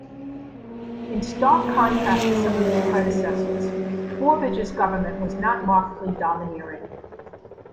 In stark contrast to some of his predecessors, Borbidge's government was not markedly domineering.